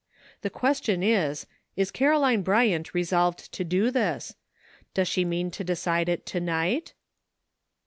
The question is, is Caroline Bryant resolved to do this? Does she mean to decide it to night?"